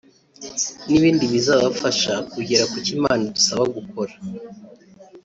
n’ibindi bizabafasha kugera kucyo Imana idusaba gukora